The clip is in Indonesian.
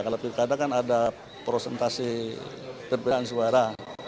kalau pilkada kan ada prosentasi perbedaan suara